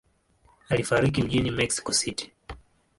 Alifariki mjini Mexico City.